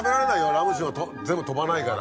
ラム酒が全部飛ばないから。